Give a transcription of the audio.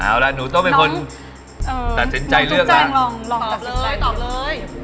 เอาล่ะหนูต้องเป็นคนเอ่อตัดสินใจเลือกล่ะลองตัดสินใจตอบเลยตอบเลย